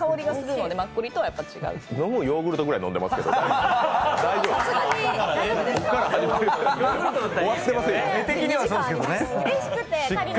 のむヨーグルトぐらい飲んでますけど大丈夫ですか？